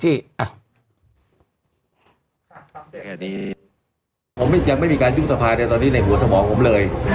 ผมยังไม่มีการยุ่งทะพายแต่ตอนนี้ในหัวสมองผมเลย